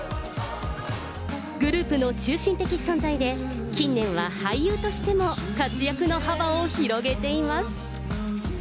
グループの中心的存在で、近年は俳優としても活躍の幅を広げています。